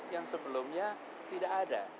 yang sebelumnya tidak ada